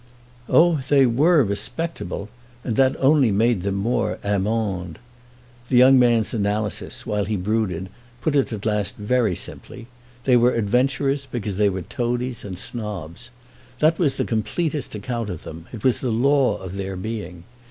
Oh they were "respectable," and that only made them more immondes. The young man's analysis, while he brooded, put it at last very simply—they were adventurers because they were toadies and snobs. That was the completest account of them—it was the law of their being.